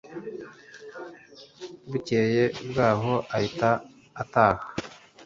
bukeye bwaho ahita ataha